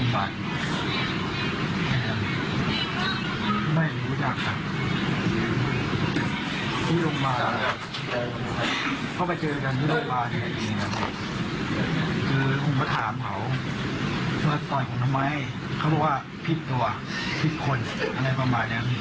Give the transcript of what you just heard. นั่นครับเพราะเลยเขาสู้บริเครียม